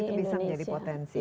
itu bisa menjadi potensi